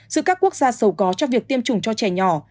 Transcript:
giữa các quốc gia giàu có cho việc tiêm chủng cho trẻ nhỏ